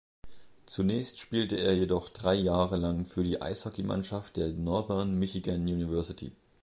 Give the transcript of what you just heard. Zunächst spielte er jedoch drei Jahre lang für die Eishockeymannschaft der Northern Michigan University.